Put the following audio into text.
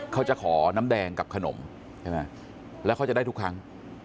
เขาจะขอน้ำแดงกับขนมใช่ไหมแล้วเขาจะได้ทุกครั้ง